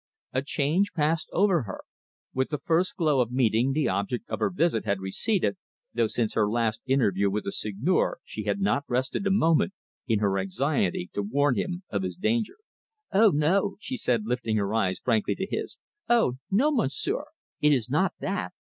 A change passed over her. With the first glow of meeting the object of her visit had receded, though since her last interview with the Seigneur she had not rested a moment, in her anxiety to warn him of his danger. "Oh, no," she said, lifting her eyes frankly to his: "oh, no, Monsieur! It is not that.